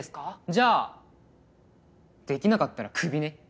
じゃあできなかったらクビね。